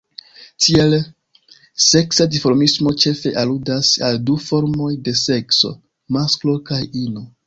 Tiele, seksa dimorfismo ĉefe aludas al du formoj de sekso, masklo kaj ino.